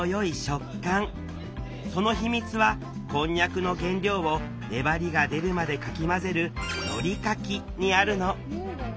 その秘密はこんにゃくの原料を粘りが出るまでかき混ぜる「のりかき」にあるの。